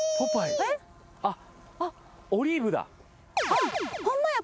あっホンマや。